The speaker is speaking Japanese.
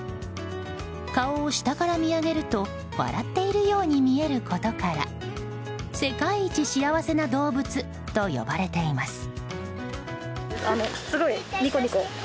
顔を下から見上げると笑っているように見えることから世界一幸せな動物と呼ばれています。